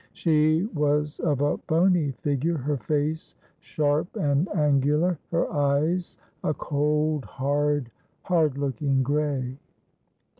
She was of a bony figure, her face sharp and angular, her eyes a cold hard hard looking gray.